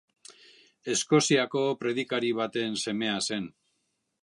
Eskoziako predikari baten semea zen.